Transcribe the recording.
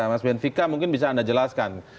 mas benvika mungkin bisa anda jelaskan